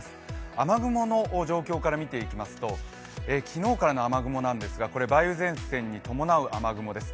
雨雲の状況から見ていきますと昨日からの雨雲なんですがこれ梅雨前線に伴う雨雲です。